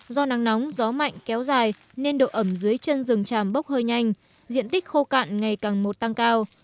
do nắng nóng gió mạnh kéo dài nên độ ẩm dưới chân rừng tràm bốc hơi nhanh diện tích khô cạn ngày càng một tăng cao